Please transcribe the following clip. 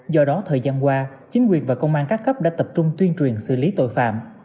do đó thời gian qua chính quyền và công an các cấp đã tập trung tuyên truyền xử lý tội phạm